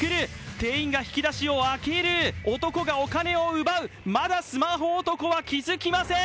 店員が引き出しを開ける、男がお金を奪う、まだスマホ男は気づきません。